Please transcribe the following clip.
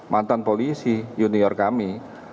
mantan polisi junior kami